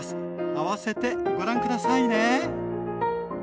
併せてご覧下さいね。